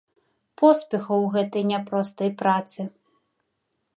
Поспехаў у гэтай няпростай працы!